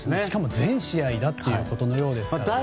しかも全試合だっていうことのようですから。